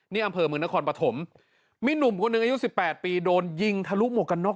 นี่อำเภอเมืองนครปฐมมีหนุ่มคนหนึ่งอายุ๑๘ปีโดนยิงทะลุหมวกกันน็อก